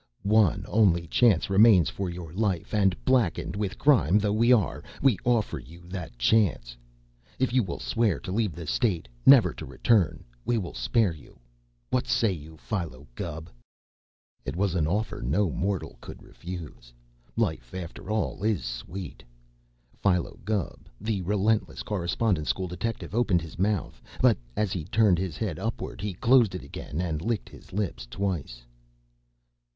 One only chance remains for your life, and, blackened with crime though we are, we offer you that chance. If you will swear to leave the State, never to return, we will spare you. What say you, Philo Gubb?" It was an offer no mortal could refuse. Life, after all, is sweet. Philo Gubb, the relentless Correspondence School detective, opened his mouth, but as he turned his head upward, he closed it again and licked his lips twice.